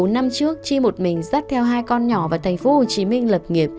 bốn năm trước chi một mình dắt theo hai con nhỏ vào thành phố hồ chí minh lập nghiệp